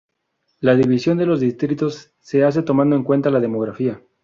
La división de los distritos se hace tomando en cuenta la demografía.